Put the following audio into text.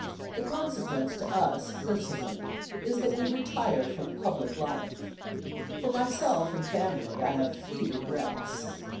The consequence to us, personally, is, that we retire from public life. For myself and family, I have few regrets.